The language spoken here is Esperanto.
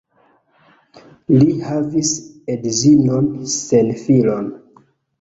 Li havis edzinon sen filoj.